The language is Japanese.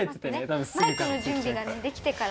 マイクの準備ができてから。